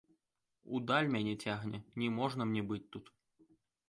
У даль мяне цягне, не можна мне быць тут.